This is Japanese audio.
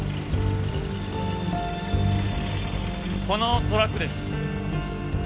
このトラックです。